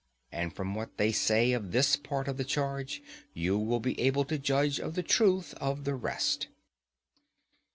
And from what they say of this part of the charge you will be able to judge of the truth of the rest.